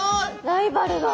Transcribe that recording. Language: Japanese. ライバルが。